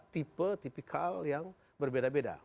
tipe tipikal yang berbeda beda